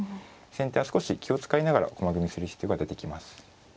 先手は少し気を遣いながら駒組みする必要が出てきます。